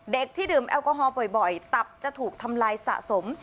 ที่ดื่มแอลกอฮอล์บ่อยตับจะถูกทำลายสะสม